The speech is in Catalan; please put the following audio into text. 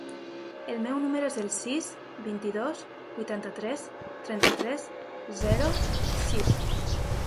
El meu número es el sis, vint-i-dos, vuitanta-tres, trenta-tres, zero, sis.